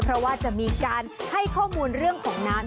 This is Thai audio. เพราะว่าจะมีการให้ข้อมูลเรื่องของน้ำ